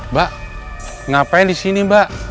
mbak ngapain di sini mbak